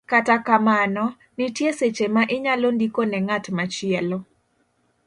Kata kamano, nitie seche ma inyalo ndiko ne ng'at machielo,